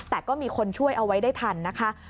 แต่ก็มีคนช่วยเอาไว้ได้ทันนะคะ